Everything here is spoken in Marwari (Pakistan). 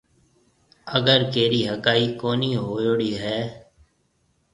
اگر ڪيرِي هگائي ڪونِي هوئيوڙِي هيَ۔